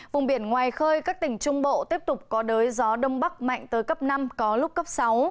vùng biển ngoài khơi các tỉnh trung bộ tiếp tục có đới gió đông bắc mạnh tới cấp năm có lúc cấp sáu